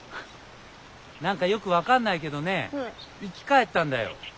何かよく分かんないけどねぇ生き返ったんだよ！